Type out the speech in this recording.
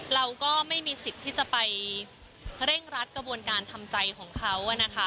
เราก็ไม่มีสิทธิ์ที่จะไปเร่งรัดกระบวนการทำใจของเขานะคะ